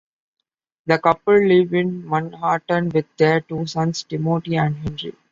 The couple live in Manhattan with their two sons, Timothy and Henry.